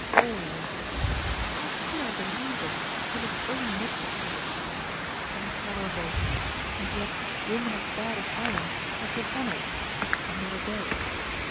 All how could I believe them, till his own lips had said it?.... Intolerable!.... And yet women as bad as I am have been honoured when they were dead.